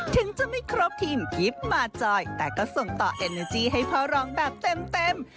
ถึงจะไม่ครบทีมกิฟต์มาจอยแต่ก็ส่งต่อเอเนอร์จี้ให้พ่อรองแบบเต็ม